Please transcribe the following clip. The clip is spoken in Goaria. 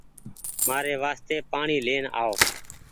مآري وآستي پآڻيٚ آئو